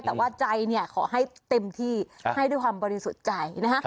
แต่ว่าใจเนี่ยขอให้เต็มที่ให้ด้วยความบริสุทธิ์ใจนะฮะ